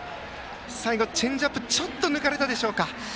最後、チェンジアップちょっと抜かれたでしょうか。